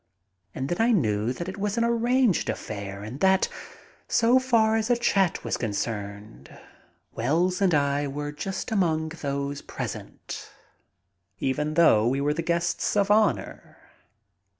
And then I knew that it was an arranged affair and that, so far as a chat was concerned, Wells and I were just among those present, even though we were the guests of honor.